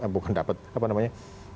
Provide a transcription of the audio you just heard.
bukan dapat apa namanya